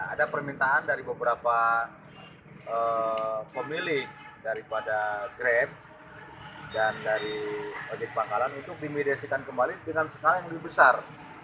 ada permintaan dari beberapa pemilik daripada grab dan dari ojek pangkalan itu dimediasikan kembali dengan skala yang lebih besar